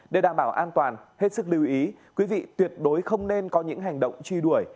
để đảm bảo an toàn hết sức lưu ý quý vị tuyệt đối không nên có những hành động truy đuổi